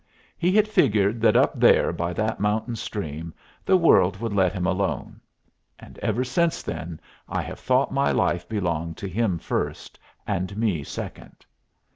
He had figured that up there by that mountain stream the world would let him alone. And ever since then I have thought my life belonged to him first, and me second.